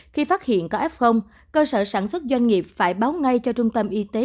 khi phát hiện có f cơ sở sản xuất doanh nghiệp phải báo ngay cho trung tâm y tế